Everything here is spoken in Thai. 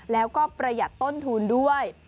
แล้วก็ประหยัดต้นทุนด้วย